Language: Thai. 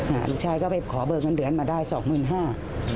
ลูกชายก็ไปขอเบิกเงินเดือนมาได้สองหมื่นห้า